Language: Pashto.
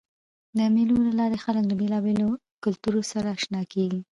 د مېلو له لاري خلک له بېلابېلو کلتورونو سره اشنا کېږي.